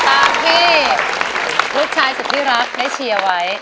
ตามที่ลูกชายสุดที่รักได้เชียร์ไว้